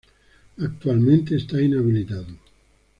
Actualmente está inhabilitado.